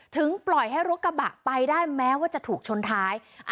ปล่อยให้รถกระบะไปได้แม้ว่าจะถูกชนท้าย